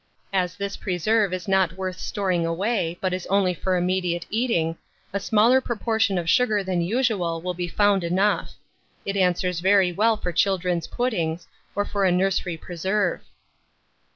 As this preserve is not worth storing away, but is only for immediate eating, a smaller proportion of sugar than usual will be found enough: it answers very well for children's puddings, or for a nursery preserve.